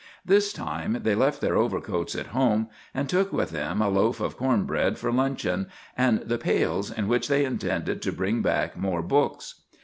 This time they left their overcoats at home, and took with them a loaf of corn bread for luncheon, and the pails, in which they intended to bring back more books.